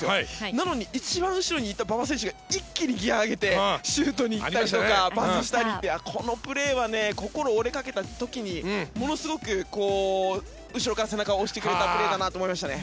なのに一番後ろにいた馬場選手が一気にギアを上げてシュートに行ったりパスをしたりこのプレーは心折れかけた時にものすごく後ろから背中を押してくれたプレーだと思いましたね。